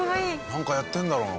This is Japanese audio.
なんかやってるんだろうな